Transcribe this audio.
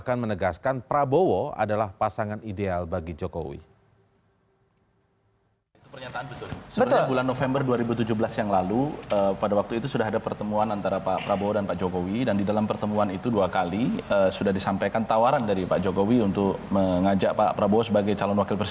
tambahan dia kerja di pakakian younabogor